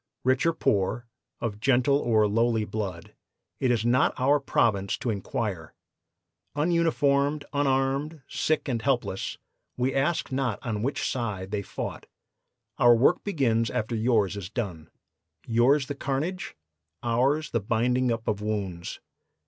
Rich or poor, of gentle or lowly blood, it is not our province to inquire. Ununiformed, unarmed, sick and helpless, we ask not on which side they fought. Our work begins after yours is done. Yours the carnage, ours the binding up of wounds.